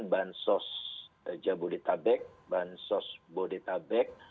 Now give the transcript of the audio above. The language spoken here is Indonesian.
bansos jabodetabek bansos bodetabek